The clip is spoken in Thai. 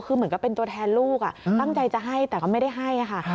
คือเหมือนกับเป็นตัวแทนลูกตั้งใจจะให้แต่ก็ไม่ได้ให้ค่ะ